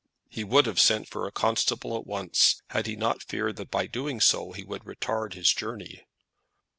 He would have sent for a constable at once, had he not feared that by doing so, he would retard his journey.